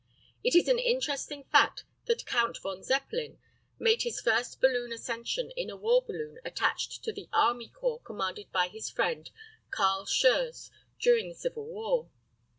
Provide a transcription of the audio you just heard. It is an interesting fact that Count von Zeppelin made his first balloon ascension in a war balloon attached to the army corps commanded by his friend, Carl Schurz, during the Civil War.